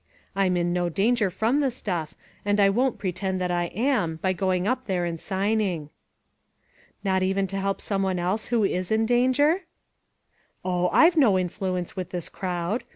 I'm in no danger from the stuff, and I won't pretend that I am, by going up there and signing." "Not even to help some one else who is in danger ?"" Oh ! I have no influence with this crowd.